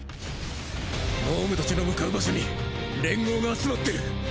脳無達の向かう場所に連合が集まってる。